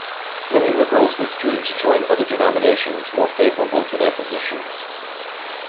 Many liberals withdrew to join other denominations more favorable to their positions.